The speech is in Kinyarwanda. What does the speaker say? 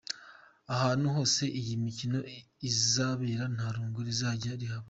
Ahantu hose iyi mikino izabera nta rungu rizajya rihaba.